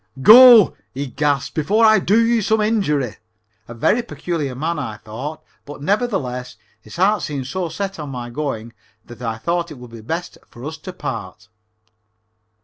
"Go," he gasped, "before I do you some injury." A very peculiar man, I thought, but, nevertheless, his heart seemed so set on my going that I thought it would be best for us to part.